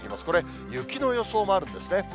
これ、雪の予想もあるんですね。